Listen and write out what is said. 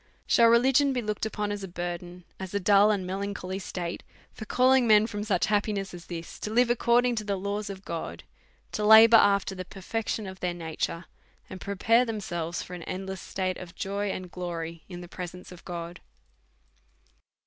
Siiall religion be looked upon as a burden, as a dull and melancholy state, for calling men from such hap piness as this, to live according to the laws of God, to labour after the perfection of their nature, and pre pai'e themselves for an endless state of joy and glory in the presence of God